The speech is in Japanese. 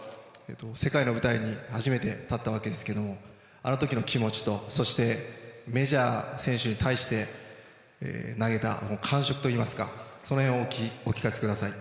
世界の舞台に初めて立ったわけですがあの時の気持ちとメジャーの選手に対して投げた感触といいますかその辺をお聞かせください。